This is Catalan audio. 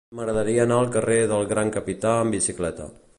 M'agradaria anar al carrer del Gran Capità amb bicicleta.